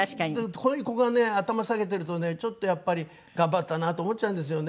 こういう子がね頭下げてるとねちょっとやっぱり頑張ったなと思っちゃうんですよね。